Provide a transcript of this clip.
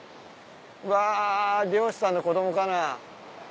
うわ漁師さんの子供かな？